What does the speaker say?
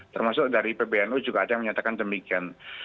termasuk dari pbnu juga ada yang menyatakan demikian